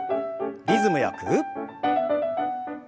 リズムよく。